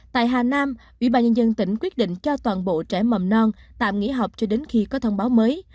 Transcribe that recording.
tại hà nam ủy ban nhân dân tỉnh quyết định cho toàn bộ trẻ mầm non tạm nghỉ học cho đến khi có thông báo mới